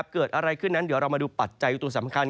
เกิดอะไรขึ้นนั้นเดี๋ยวเรามาดูปัจจัยตัวสำคัญ